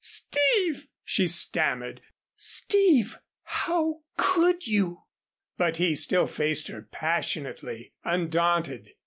"Steve!" she stammered. "Steve! how could you?" But he still faced her passionately, undaunted.